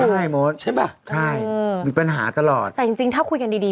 ใช่มดใช่ป่ะใช่มีปัญหาตลอดแต่จริงจริงถ้าคุยกันดีดี